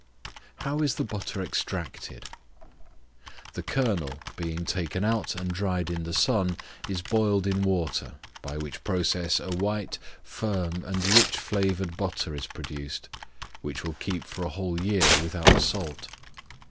How is the Butter extracted? The kernel, being taken out and dried in the sun, is boiled in water; by which process a white, firm, and rich flavored butter is produced, which will keep for a whole year without salt.